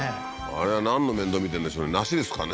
あれはなんの面倒見てんでしょうね梨ですかね？